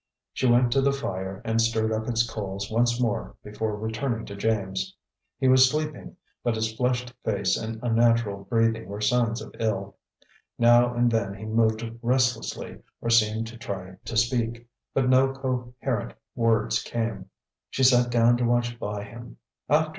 She went to the fire and stirred up its coals once more before returning to James. He was sleeping, but his flushed face and unnatural breathing were signs of ill. Now and then he moved restlessly, or seemed to try to speak, but no coherent words came. She sat down to watch by him.